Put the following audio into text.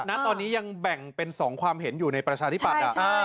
ณตอนนี้ยังแบ่งเป็น๒ความเห็นอยู่ในประชาธิปัตย์